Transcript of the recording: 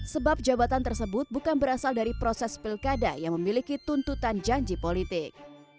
sebab jabatan tersebut bukan berasal dari proses pilkada yang memiliki tuntutan janji politik